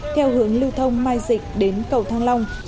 theo hướng lưu thông mai dịch đến cầu thăng long